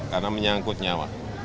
karena menyangkut nyawa